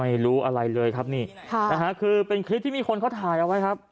ไม่รู้อะไรเลยครับนี่ค่ะนะฮะคือเป็นคลิปที่มีคนเขาถ่ายเอาไว้ครับ